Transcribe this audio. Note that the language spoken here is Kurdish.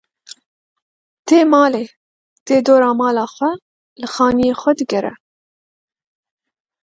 Tê malê, tê dora mala xwe li xaniyê xwe digere.